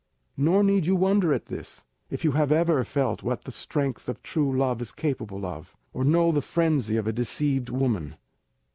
Nor need you wonder at this, if you have ever felt what the strength of true love is capable of, or know the frenzy of a deceived woman.